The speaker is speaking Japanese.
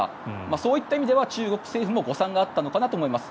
そういった意味では中国政府も誤算があったのかなと思います。